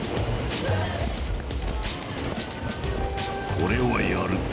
これはやる。